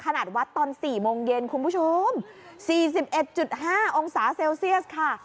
วัดตอน๔โมงเย็นคุณผู้ชม๔๑๕องศาเซลเซียสค่ะ